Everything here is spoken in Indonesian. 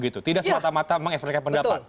tidak semata mata mengekspekkan pendapat